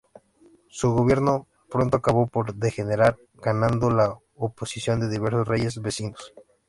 Su gobierno pronto acabó por degenerar, ganando la oposición de diversos reyes vecinos.